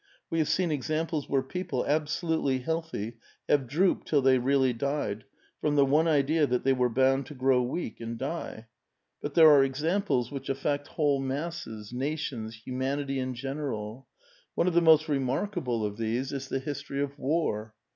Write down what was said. We have seen examples where people, absolutely healthy, have drooped till they really died, from the one idea that they were bound to grow weak and die. But there are examples which affect whole masses, nations, humanity in general. One of the most remarkable of these 360 A VITAL QUESTION. is the history of war.